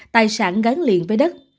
tài sản gắn liền với đất